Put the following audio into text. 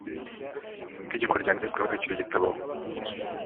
itegeko ryanditswe muri icyo gitabo